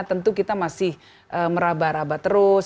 tentu kita masih merabah rabah terus